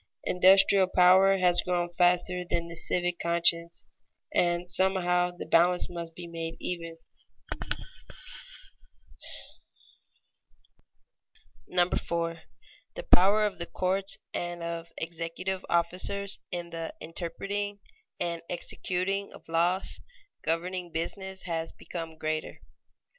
Industrial power has grown faster than the civic conscience, and somehow the balance must be made even. [Sidenote: Heavy duties of the courts] 4. _The power of the courts and of executive officers in the interpreting and executing of laws governing business has become greater.